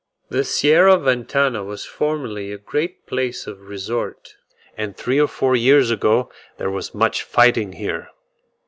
The Sierra Ventana was formerly a great place of resort; and three or four years ago there was much fighting there.